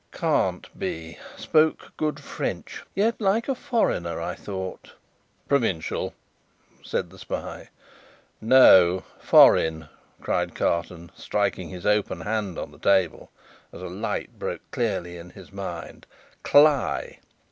"Can't be. Spoke good French. Yet like a foreigner, I thought?" "Provincial," said the spy. "No. Foreign!" cried Carton, striking his open hand on the table, as a light broke clearly on his mind. "Cly!